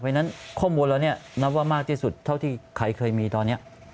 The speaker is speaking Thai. เพราะฉะนั้นข้อมูลเราเนี่ยนับว่ามากที่สุดเท่าที่ใครเคยมีตอนนี้